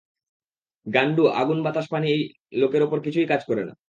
গান্ডু আগুন, বাতাস, পানি, এই লোকের উপর কিছুই কাজ করে না!